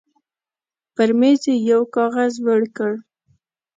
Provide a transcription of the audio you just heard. پر مېز يې يو کاغذ وېړ کړ.